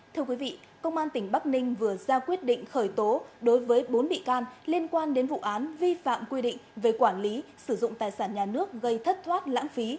thưa quý vị công an tỉnh bắc ninh vừa ra quyết định khởi tố đối với bốn bị can liên quan đến vụ án vi phạm quy định về quản lý sử dụng tài sản nhà nước gây thất thoát lãng phí